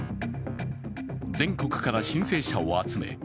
全国から申請者を集め